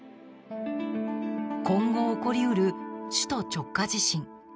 今後、起こり得る首都直下地震。